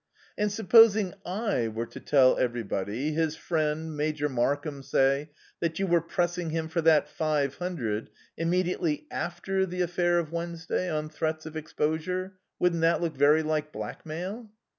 "And supposing I were to tell everybody his friend, Major Markham, say that you were pressing him for that five hundred, immediately after the affair of Wednesday, on threats of exposure, wouldn't that look very like blackmail?"